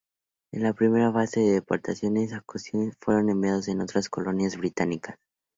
En la primera fase de deportaciones, los acadianos fueron enviados a otras colonias británicas.